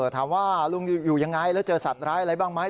ถามว่าลุงอยู่ยังไงแล้วเจอสัตว์ร้ายอะไรบ้างไหม